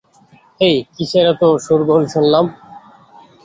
হেই, কীসের এতো শোরগোল শুনলাম?